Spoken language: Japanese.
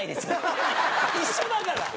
一緒だから。